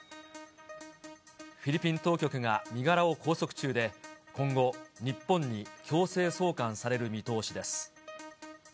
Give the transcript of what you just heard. フィリピン当局が身柄を拘束中で、今後、日本に強制送還される見通しです。